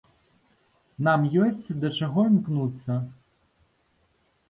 Нам ёсць да чаго імкнуцца.